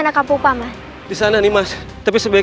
jangan lupa like share dan subscribe ya